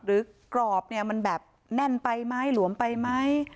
กรอบเนี่ยมันแบบแน่นไปไหมหลวมไปไหม